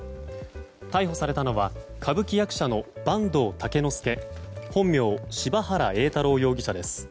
逮捕されたのは歌舞伎役者の坂東竹之助本名・柴原永太郎容疑者です。